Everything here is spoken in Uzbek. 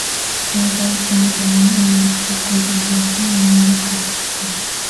Qoʻlidagi chamadonini oʻrindiqqa qoʻyganidan soʻng menga koʻzi tushdi.